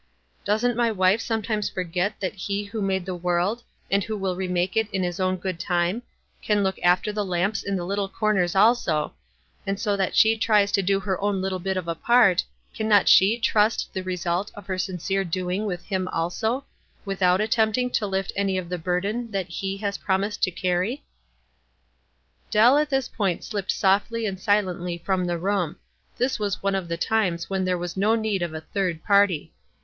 "Doesn't my wife sometimes forget that He who made the world, and who will re make it in His own good time, can look after the lamps in the little corners also; and so that she tries to do her own little bit of a part, can not she trust the result of her sincere doing with Him also, without attempting to lift any of the burden that He has promised to carry?" 12 178 WISE AND OTHERWISE. Dell at this point slipped softly and silently from the room, — this was one of the times when there was no need of a third party.